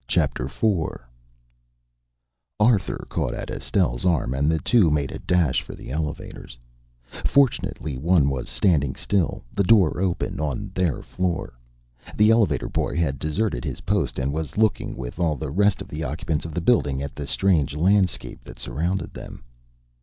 Arthur caught at Estelle's arm and the two made a dash for the elevators. Fortunately one was standing still, the door open, on their floor. The elevator boy had deserted his post and was looking with all the rest of the occupants of the building at the strange landscape that surrounded them.